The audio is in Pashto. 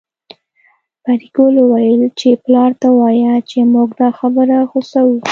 پري ګلې وويل چې پلار ته ووايه چې موږ دا خبره غوڅوو